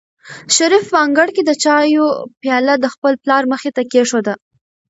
شریف په انګړ کې د چایو پیاله د خپل پلار مخې ته کېښوده.